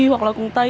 hoặc là cùng tay